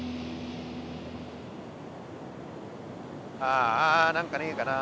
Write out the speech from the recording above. ああ何かねえかな。